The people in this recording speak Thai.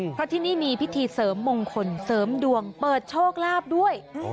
เพราะที่นี่มีพิธีเสริมมงคลเสริมดวงเปิดโชคลาภด้วย